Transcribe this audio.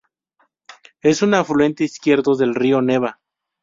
Es un afluente izquierdo del río Nevá.